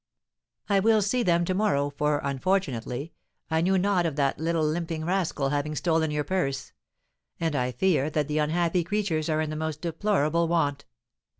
"I will see them to morrow, for, unfortunately, I knew not of that little limping rascal having stolen your purse; and I fear that the unhappy creatures are in the most deplorable want.